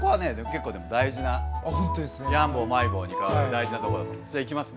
結構でも大事なヤンボールマイボールに変わる大事なとこだと思います。